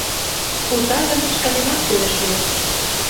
Ута гын, шканемат кӱлеш лиеш...»